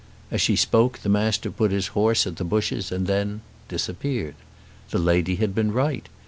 As she spoke the Master put his horse at the bushes and then disappeared. The lady had been right.